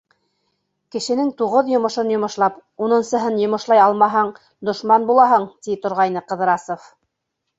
Кешенең туғыҙ йомошон йомошлап, унынсыһын йомошлай алмаһаң, дошман булаһың, ти торғайны Ҡыҙрасов.